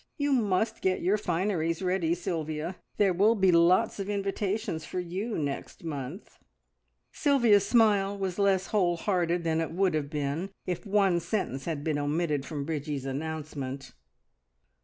You must get your fineries ready, Sylvia. There will be lots of invitations for you next month." Sylvia's smile was less whole hearted than it would have been if one sentence had been omitted from Bridgie's announcement.